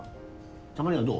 たまにはどう？